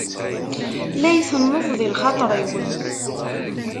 La itenneḍ di lxaṭeṛ-iw.